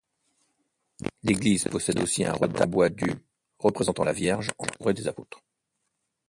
L'église possède aussi un retable en bois du représentant la Vierge entourée des apôtres.